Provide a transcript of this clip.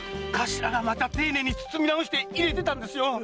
頭がまたていねいに包み直して入れてたんですよ。